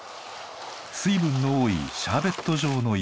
水分の多いシャーベット状の雪。